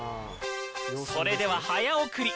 それでは早送り。